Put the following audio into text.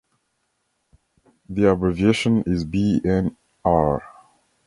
The abbreviation is Bnr.